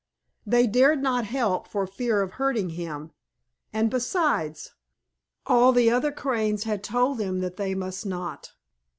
They dared not help for fear of hurting him, and besides, all the other Cranes had told them that they must not.